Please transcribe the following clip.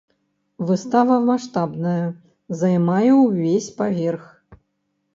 Выстава маштабная, займае ўвесь паверх.